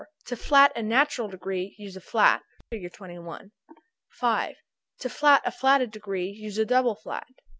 To flat a natural degree, use a flat. Fig. 21. 5. To flat a flatted degree, use a double flat.